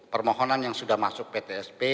permohonan yang sudah masuk ptsp